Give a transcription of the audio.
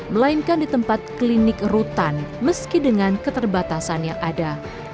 melainkan di tempat klinik rutan meski dengan keterbatasan yang ada